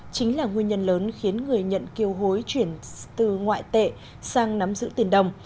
chính là nguyên nhân lớn khiến người nhận kiều hối chuyển từ ngoại tệ sang nắm giữ tiền đồng